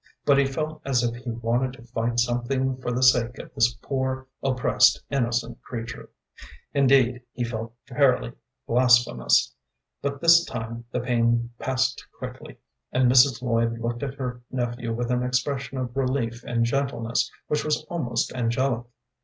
But he felt as if he wanted to fight something for the sake of this poor, oppressed, innocent creature; indeed, he felt fairly blasphemous. But this time the pain passed quickly, and Mrs. Lloyd looked at her nephew with an expression of relief and gentleness which was almost angelic.